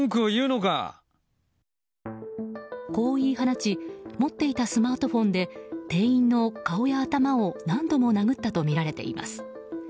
こう言い放ち持っていたスマートフォンで店員の顔や頭を何度も殴ったとみられています。